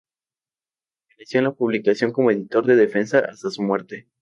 Permaneció en la publicación como editor de defensa hasta su muerte.